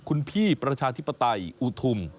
คุณพี่ประชาธิปไตยอุทุม